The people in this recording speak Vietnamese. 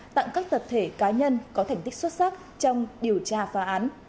tặng các tập thể cá nhân có thành tích xuất sắc trong điều tra phá án